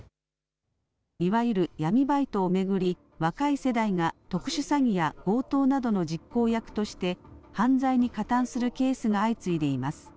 いわゆる闇バイトを巡り若い世代が特殊詐欺や強盗などの実行役として犯罪に加担するケースが相次いでいます。